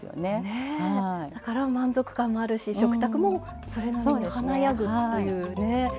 だから満足感もあるし食卓もそれなりに華やぐっていうね。